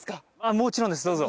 もちろんですどうぞ。